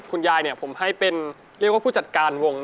คุณยายเนี่ยผมให้เป็นเรียกว่าผู้จัดการวง